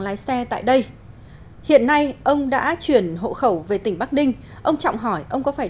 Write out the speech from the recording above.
lái xe tại đây hiện nay ông đã chuyển hộ khẩu về tỉnh bắc ninh ông trọng hỏi ông có phải